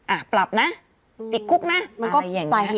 อ่ะปรับนะปิดคุกนะอะไรอย่างเงี้ย